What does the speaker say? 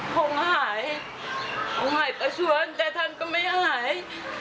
พ่อหายประชวนแต่ท่านก็ไม่หาย